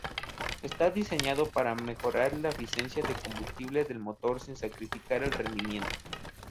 Está diseñado para mejorar la eficiencia de combustible del motor sin sacrificar el rendimiento.